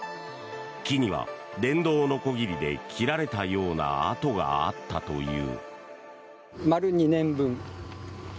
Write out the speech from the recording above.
木には電動のこぎりで切られたような跡があったという。